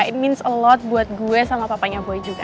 it means a lot buat gue sama papanya boy juga